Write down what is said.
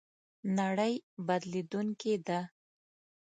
نړۍ بدلېدونکې ده